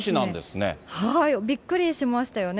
はい、びっくりしましたよね。